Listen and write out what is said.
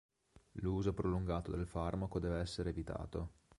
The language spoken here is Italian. L'uso prolungato del farmaco deve essere evitato.